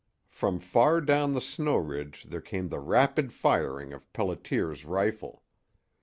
From far down the snow ridge there came the rapid firing of Pelliter's rifle.